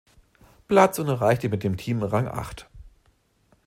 Platz und erreichte mit dem Team Rang acht.